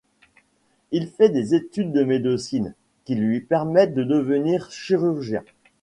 Il fait des études de médecine, qui lui permettent de devenir chirurgien.